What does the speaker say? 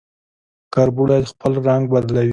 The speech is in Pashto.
کربوړی خپل رنګ بدلوي